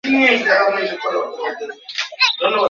তাদের পাঁচ একর জমি ছিল।